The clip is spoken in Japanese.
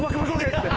って。